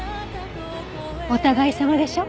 お互いさまでしょ？